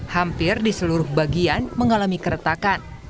hampir di seluruh bagian mengalami keretakan